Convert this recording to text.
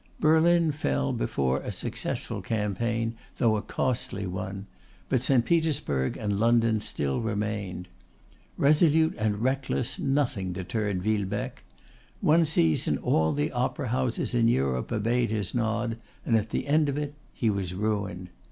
Berlin fell before a successful campaign, though a costly one; but St. Petersburg and London still remained. Resolute and reckless, nothing deterred Villebecque. One season all the opera houses in Europe obeyed his nod, and at the end of it he was ruined.